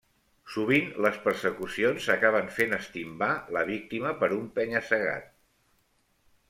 Sovint les persecucions acaben fent estimbar la víctima per un penya-segat.